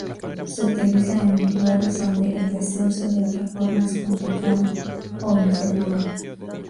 Se utiliza en lugares donde el descenso de otra forma es complicado, o inseguro.